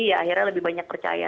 ya akhirnya lebih banyak percaya